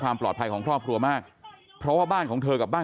ความปลอดภัยของครอบครัวมากเพราะว่าบ้านของเธอกับบ้าน